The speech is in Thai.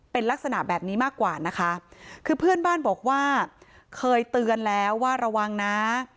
เป็นลักษณะแบบนี้มากกว่านะคะคือเพื่อนบ้านบอกว่าเคยเตือนแล้วว่าระวังนะ